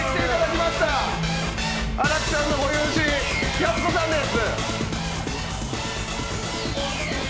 荒木さんのご友人やすこさんです。